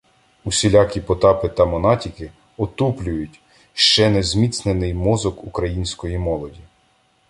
Усілякі потапи та монатіки отуплюють, ще не зміцнілий, мозок української молоді.